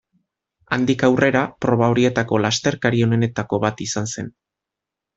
Handik aurrera, proba horietako lasterkari onenetako bat izan zen.